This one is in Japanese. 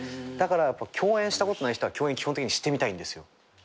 だから共演したことない人は共演基本的にしてみたいんです。